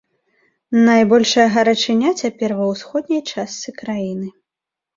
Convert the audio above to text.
Найбольшая гарачыня цяпер ва ўсходняй частцы краіны.